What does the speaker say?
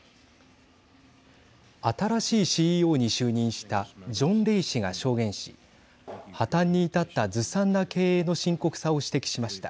新しいＣＥＯに就任したジョン・レイ氏が証言し破綻に至ったずさんな経営の深刻さを指摘しました。